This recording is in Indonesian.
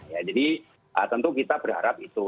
jadi tentu kita berharap itu